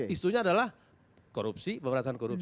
isunya adalah korupsi pemberantasan korupsi